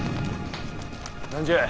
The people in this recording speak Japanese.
何じゃ。